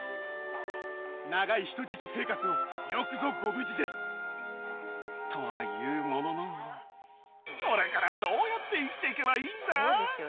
長い人質生活をよくぞご無事で！とは言うもののこれからどうやって生きていけばいいんだ！